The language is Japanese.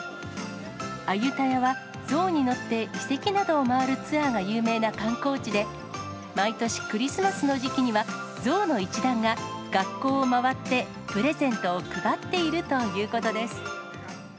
アユタヤは、象に乗って遺跡などを回るツアーが有名な観光地で、毎年、クリスマスの時期には、象の一団が学校を回ってプレゼントを配っているということです。